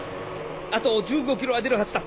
あと１５キロは出るはずだ。